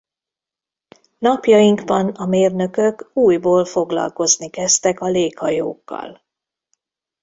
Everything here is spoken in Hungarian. Napjainkban a mérnökök újból foglalkozni kezdtek a léghajókkal.